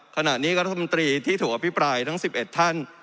ขณะนี้รัฐมนตรีที่ถูกอภิปรายทั้ง๑๑ท่าน